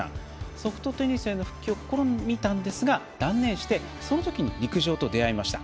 ソフトテニスへの復活を試みたんですが、断念してそのとき陸上と出会いました。